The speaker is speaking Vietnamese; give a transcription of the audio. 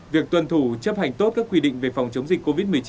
việc tuân thủ chấp hành tốt các quy định về phòng chống dịch covid một mươi chín